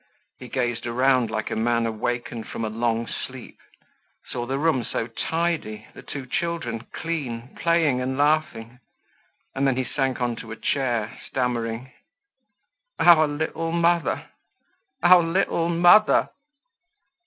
He gazed around like a man awakened from a long sleep, saw the room so tidy, the two children clean, playing and laughing. And then he sank on to a chair stammering, "Our little mother, our little mother."